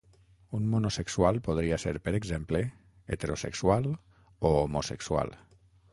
Un monosexual podria ser, per exemple, heterosexual o homosexual.